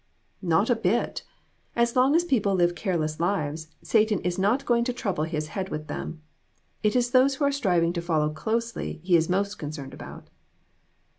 "Not a bit. As long as people live careless lives, Satan is not going to trouble his head with them. It is those who are striving to follow closely he is most concerned about."